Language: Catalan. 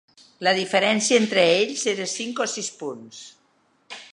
La diferència entre ells era de cinc o sis punts.